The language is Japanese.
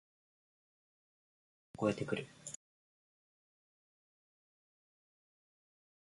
トンビの鳴き声が聞こえてくる。